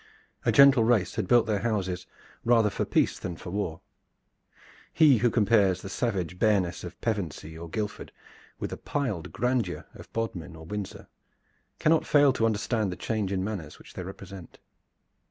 A gentle race had built their houses rather for peace than for war. He who compares the savage bareness of Pevensey or Guildford with the piled grandeur of Bodmin or Windsor cannot fail to understand the change in manners which they represent.